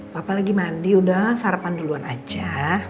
papa lagi mandi udah sarapan duluan aja